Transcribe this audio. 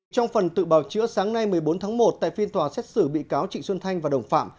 trong phần tự bào chữa sáng nay một mươi bốn tháng một tại phiên tòa xét xử bị cáo trịnh xuân thanh và đồng phạm